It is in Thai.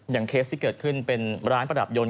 เคสที่เกิดขึ้นเป็นร้านประดับยนต